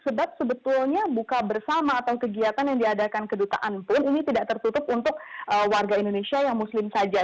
sebab sebetulnya buka bersama atau kegiatan yang diadakan kedutaan pun ini tidak tertutup untuk warga indonesia yang muslim saja